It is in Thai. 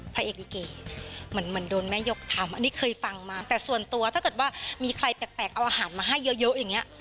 พระเอกลิเกเหมือนเหมือนโดนแม่ยกทำอันนี้เคยฟังมาแต่ส่วนตัวถ้าเกิดว่ามีใครแปลกเอาอาหารมาให้เยอะเยอะอย่างเงี้ย